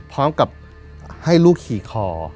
พร้อมกับให้ลูกขี่คอ